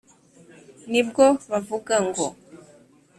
ni bwo bavuga ngo :«